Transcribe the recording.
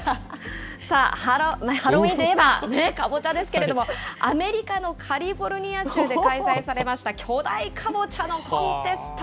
さあ、ハロウィーンといえば、カボチャですけれども、アメリカのカリフォルニア州で開催されました巨大カボチャのコンテスト。